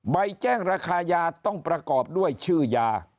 ใบแจ้งราคายาต้องประกอบด้วยชื่อยา